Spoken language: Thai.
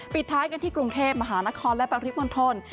ปิดท้ายกันที่กรุงเทพมหานครและปริมณฑล